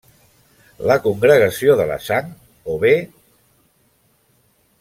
La Congregació de la Sang, o bé: